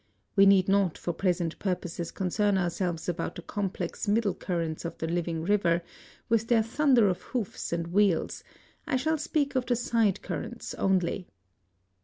(We need not for present purposes concern ourselves about the complex middle currents of the living river, with their thunder of hoofs and wheels: I shall speak of the side currents only.)